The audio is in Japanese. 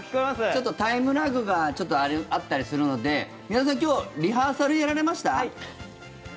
ちょっとタイムラグがあったりするので宮田さん、今日リハーサルやられました？